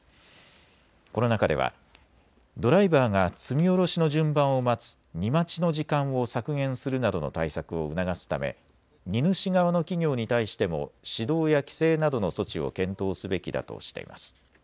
この中ではドライバーが積み降ろしの順番を待つ荷待ちの時間を削減するなどの対策を促すため荷主側の企業に対しても指導や規制などの措置を検討すべきだとしています。